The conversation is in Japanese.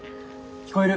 聞こえる。